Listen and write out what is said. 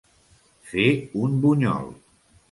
Fer un bunyol.